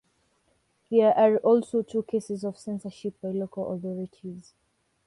There are also two cases of censorship by local authorities.